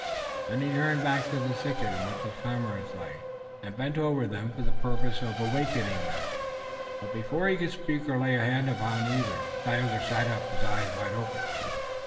Then he turned back to the thicket in which his comrades lay, and bent over them for the purpose of awakening them. But before he could speak or lay a hand upon either, Tayoga sat up, his eyes wide open.